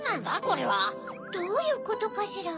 これは。どういうことかしら？